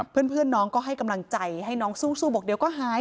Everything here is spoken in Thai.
เพื่อนน้องก็ให้กำลังใจให้น้องสู้บอกเดี๋ยวก็หาย